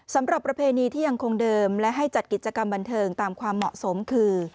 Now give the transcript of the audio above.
ประเพณีที่ยังคงเดิมและให้จัดกิจกรรมบันเทิงตามความเหมาะสมคือ